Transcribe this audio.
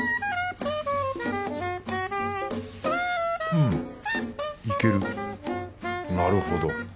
うんいけるなるほど。